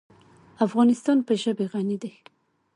افغانستان په ژبې غني دی.